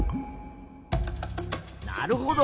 なるほど。